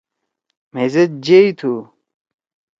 مھے زید جیئی تُھو۔